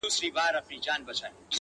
سپین لباس د فریشتو یې په تن کړی،